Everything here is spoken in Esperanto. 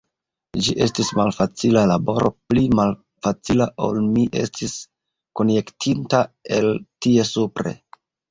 Ĝi estis malfacila laboro, pli malfacila ol mi estis konjektinta el tie supre.